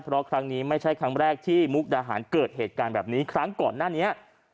เพราะครั้งนี้ไม่ใช่ครั้งแรกที่มุกดาหารเกิดเหตุการณ์แบบนี้ครั้งก่อนหน้านี้